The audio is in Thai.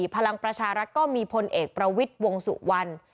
พลังประชารัฐก็มีพลเอกประวิทย์วงสุวรรณ